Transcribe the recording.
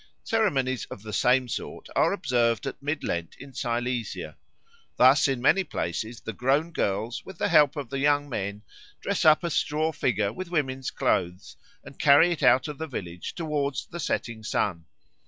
Ceremonies of the same sort are observed at Mid Lent in Silesia. Thus in many places the grown girls with the help of the young men dress up a straw figure with women's clothes and carry it out of the village towards the setting sun.